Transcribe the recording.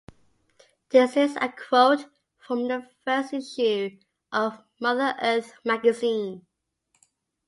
This is a quote from the first issue of Mother Earth Magazine.